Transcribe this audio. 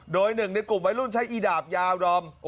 โดย๑ในกลุ่มไว้รุ่นใช้อีดาบยาวรอม